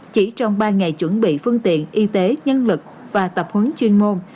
chỉ trong ba ngày chuẩn bị phương tiện y tế nhân lực và tập huấn chuyên môn